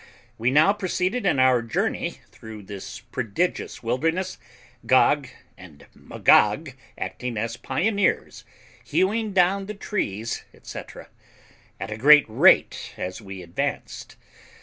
We now proceeded in our journey through this prodigious wilderness, Gog and Magog acting as pioneers, hewing down the trees, &c., at a great rate as we advanced.